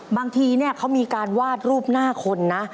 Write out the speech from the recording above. บางทีเขามีการวาดรูปหน้าคนนะ